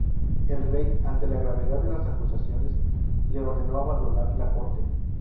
El rey, ante la gravedad de las acusaciones, le ordenó abandonar la corte.